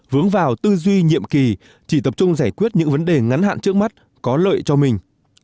vướng vào tư duy nhiệm kỳ chỉ tập trung giải quyết những vấn đề ngắn hạn trước mắt có lợi cho mình